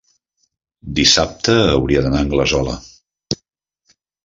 dissabte hauria d'anar a Anglesola.